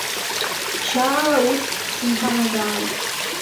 Ԥшьаала ус сынҭанагалеит.